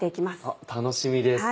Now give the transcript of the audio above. あっ楽しみです。